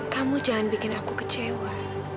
kamu jangan bikin aku kecewa